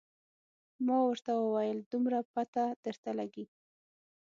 ما ورته وویل دومره پته درته لګي.